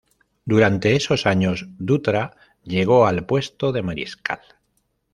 Durante esos años Dutra llegó al puesto de mariscal.